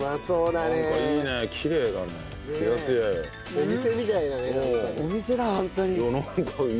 お店みたいだね。